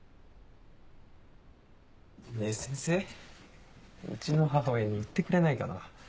ねぇ先生うちの母親に言ってくれないかな。